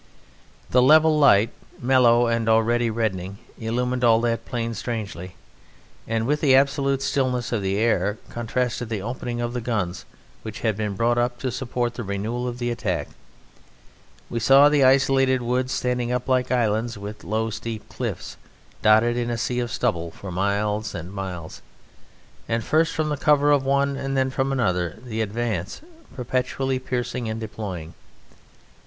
The level light, mellow and already reddening, illumined all that plain strangely, and with the absolute stillness of the air contrasted the opening of the guns which had been brought up to support the renewal of the attack. We saw the isolated woods standing up like islands with low steep cliffs, dotted in a sea of stubble for miles and miles, and first from the cover of one and then from another the advance perpetually, piercing and deploying.